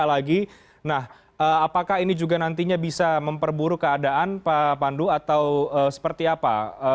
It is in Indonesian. nah apakah ini juga nantinya bisa memperburuk keadaan pak pandu atau seperti apa